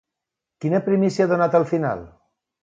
Quina primícia ha donat al final?